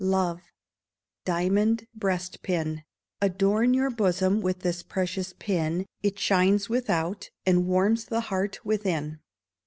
Love Diamond Breast pin. Adorn your bosom with this precious pin, It shines without, and warms the heart within.